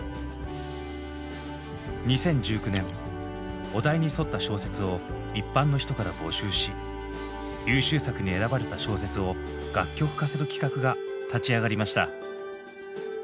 ２０１９年お題に沿った小説を一般の人から募集し優秀作に選ばれた小説を楽曲化する企画が立ち上がりました。